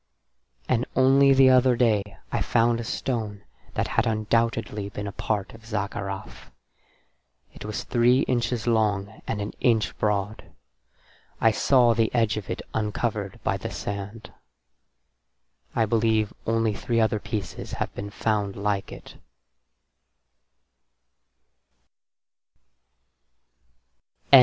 And only the other day I found a stone that had undoubtedly been a part of Zaccarath, it was three inches long and an inch broad; I saw the edge of it uncovered by the sand. I believe that only three other pieces have been found like it.